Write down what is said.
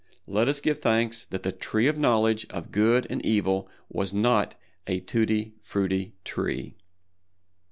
Let us give thanks that the Tree of Knowledge of Good and Evil was not a Tutti Frutti Tree.